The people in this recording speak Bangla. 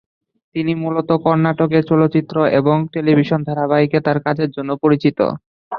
তিনি মূলত কর্ণাটকের চলচ্চিত্র এবং টেলিভিশন ধারাবাহিকে তাঁর কাজের জন্য পরিচিত।